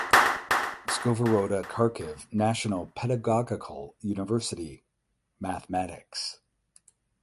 Skovoroda Kharkiv National Pedagogical University (mathematics).